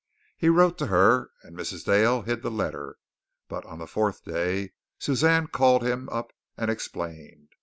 He wrote to her and Mrs. Dale hid the letter, but on the fourth day, Suzanne called him up and explained.